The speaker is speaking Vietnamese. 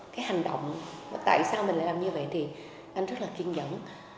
cái hành động tại sao mình lại làm như vậy thì anh rất là kiên nhẫn